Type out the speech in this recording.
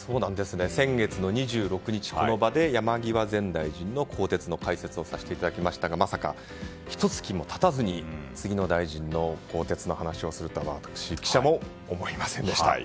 先月の２６日、この場で山際前大臣の更迭の解説をさせていただきましたがまさか、ひと月も経たずに次の大臣の更迭の話をするとは私、記者も思いませんでした。